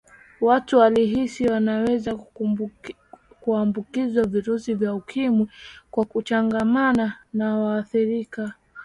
watu walihisi wanaweza kuambukizwa virusi vya ukimwi kwa kuchangamana na waathirika